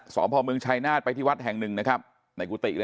สอบพ่อเมืองชายนาฏไปที่วัดแห่งหนึ่งนะครับในกุฏิเลย